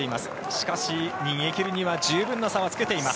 しかし、逃げ切るには十分な差をつけています。